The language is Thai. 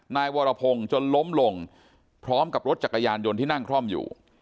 นายวรพงศ์จนล้มลงพร้อมกับรถจักรยานยนต์ที่นั่งคล่อมอยู่